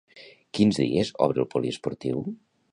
Quins dies obre el poliesportiu?